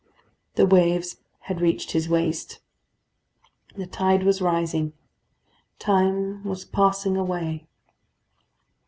The waves had reached his waist. The tide was rising: time was passing away.